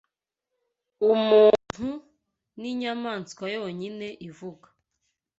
Umuntu ninyamaswa yonyine ivuga.